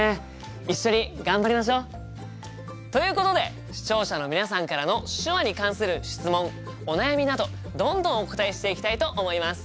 一緒に頑張りましょう！ということで視聴者の皆さんからの手話に関する質問お悩みなどどんどんお答えしていきたいと思います。